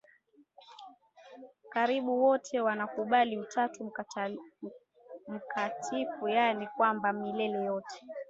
Karibu wote wanakubali Utatu Mtakatifu yaani kwamba milele yote